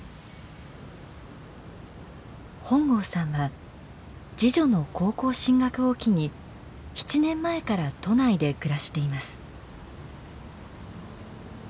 本郷さんは次女の高校進学を機に７年前から都内で暮らしています。